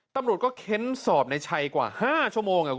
ตำรวจก็เค้นสอบในชัยกว่า๕ชั่วโมง